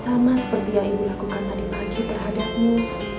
sama seperti yang ibu lakukan tadi pagi terhadapmu